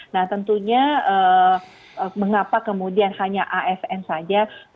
nah tentunya mengapa kemudian hanya asn saja